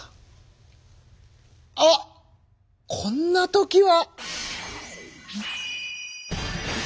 あっこんな時は！